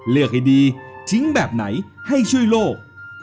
ให้ดีทิ้งแบบไหนให้ช่วยโลก